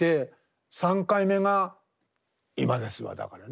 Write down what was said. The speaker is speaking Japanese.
３回目が今ですわだから。